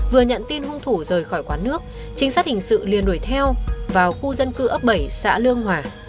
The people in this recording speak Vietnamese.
vừa nhận tin hung thủ rời khỏi quán nước trinh sát hình sự liền đuổi theo vào khu dân cư ấp bảy xã lương hòa